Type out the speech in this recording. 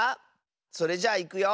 それじゃあいくよ。